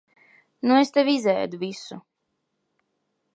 Nu es tev izēdu visu.